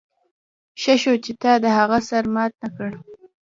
ښه شو چې تا د هغه سر مات نه کړ